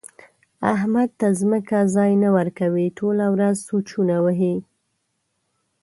احمد ته ځمکه ځای نه ورکوي؛ ټوله ورځ سوچونه وهي.